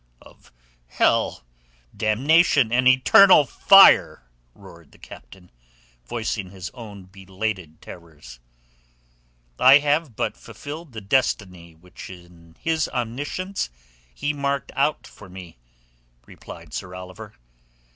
"Of hell, damnation, and eternal fire," roared the skipper, voicing his own belated terrors. "I have but fulfilled the destiny which in His Omniscience He marked out for me," replied Sir Oliver.